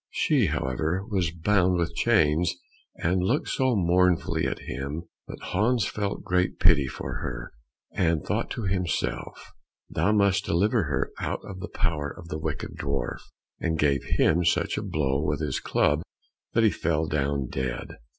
She, however, was bound with chains, and looked so mournfully at him that Hans felt great pity for her, and thought to himself, "Thou must deliver her out of the power of the wicked dwarf," and gave him such a blow with his club that he fell down dead.